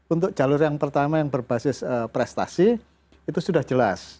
untuk jalur yang pertama yang berbasis prestasi itu sudah jelas